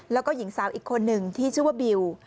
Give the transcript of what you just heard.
แล้วก็หญิงสาวอีกคนหนึ่งที่ชื่อว่าบิว